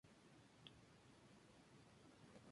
Música: Jacques Offenbach.